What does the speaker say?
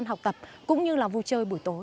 nhờ nói đúng nào